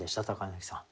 柳さん。